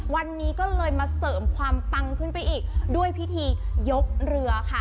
วันนี้ก็เลยมาเสริมความปังขึ้นไปอีกด้วยพิธียกเรือค่ะ